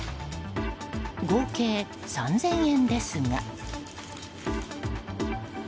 合計３０００円ですが。